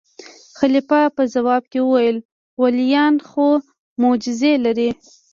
خلیفه په ځواب کې وویل: ولیان خو معجزې لري.